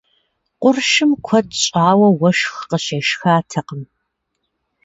Къуршым куэд щӏауэ уэшх къыщешхатэкъым.